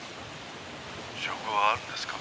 「証拠はあるんですか？」